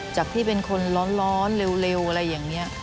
จากที่เป็นคนร้อนเร็วอะไรอย่างนี้